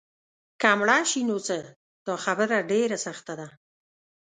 که مړه شي نو څه؟ دا خبره ډېره سخته ده.